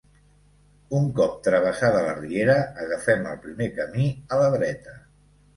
Un cop travessada la riera, agafem el primer camí a la dreta.